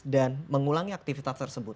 dan mengulangi aktivitas tersebut